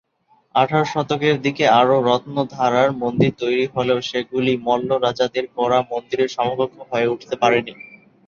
আঠারো শতকের দিকে আরো রত্ন ধারার মন্দির তৈরী হলেও সেগুলি মল্ল রাজাদের করা মন্দিরের সমকক্ষ হয়ে উঠতে পারে নি।